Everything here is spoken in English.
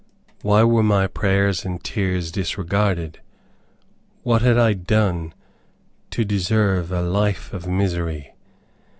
Why were my prayers and tears disregarded? What had I done to deserve such a fife of misery?